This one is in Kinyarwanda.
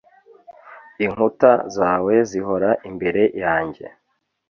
Inkuta zawe zihora imbere yanjye